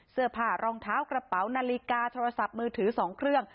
เสื้อผ้ารองเท้ากระเป๋านาฬิกาโทรศัพท์มือถือ๒เครื่อง